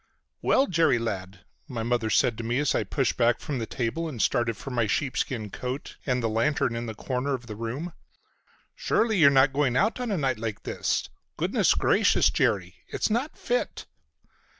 "Well, Jerry, lad!" my mother said to me as I pushed back from the table and started for my sheepskin coat and the lantern in the corner of the room. "Surely you're not going out a night like this? Goodness gracious, Jerry, it's not fit!"